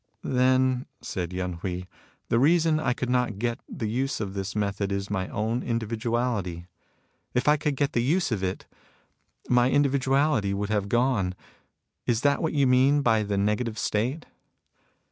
'* Then," said Yen Hui, " the reason I could not get the use of this method is my own in dividuality. If I could get the use of it, my 72 MUSINGS OP A CHINESE MYSTIC individuality would have gone. Is this what you mean by the negative state